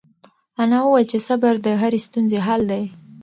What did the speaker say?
انا وویل چې صبر د هرې ستونزې حل دی.